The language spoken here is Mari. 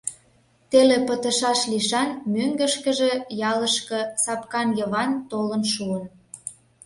Теле пытышаш лишан мӧҥгышкыжӧ, ялышке, Сапкан Йыван толын шуын.